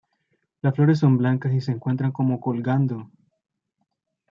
Las flores son blancas y se encuentran como colgando.